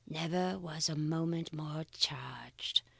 Never was moment more charged.